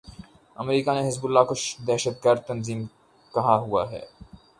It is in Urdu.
امریکا نے حزب اللہ کو دہشت گرد تنظیم کہا ہوا ہے۔